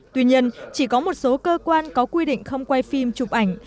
tuy nhiên chỉ có một số cơ quan có quy định không quay phim chụp ảnh